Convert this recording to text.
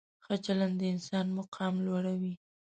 ښه چلند د انسان مقام لوړوي.